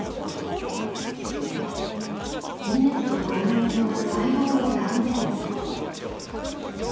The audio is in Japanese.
稲と小麦の細胞の断面図。